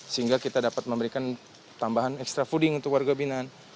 sehingga kita dapat memberikan tambahan extra fooding untuk warga binaan